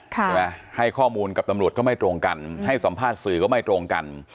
ใช่ไหมให้ข้อมูลกับตำรวจก็ไม่ตรงกันให้สัมภาษณ์สื่อก็ไม่ตรงกัน